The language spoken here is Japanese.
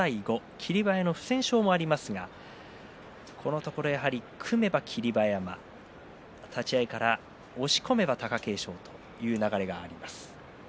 霧馬山の不戦勝もありますがこのところ組めば霧馬山、立ち合いから押し込めば貴景勝という流れがあります。